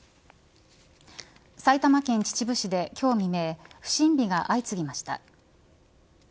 埼玉県秩父市で今日未明不審火が相次ぎました。